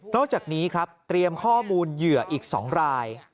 อกจากนี้ครับเตรียมข้อมูลเหยื่ออีก๒ราย